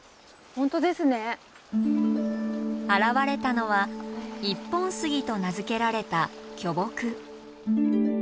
現れたのは「一本杉」と名付けられた巨木。